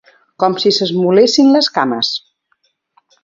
Com si s'esmolessin les cames